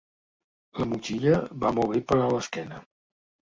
La motxilla va molt bé per a l'esquena.